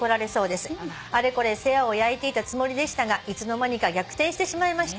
「あれこれ世話を焼いていたつもりでしたがいつの間にか逆転してしまいました」